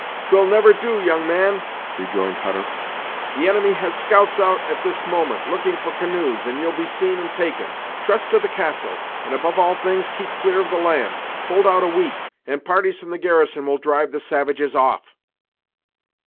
"'Twill never do, young man," rejoined Hutter. "The enemy has scouts out at this moment, looking for canoes, and you'll be seen and taken. Trust to the castle; and above all things, keep clear of the land. Hold out a week, and parties from the garrisons will drive the savages off."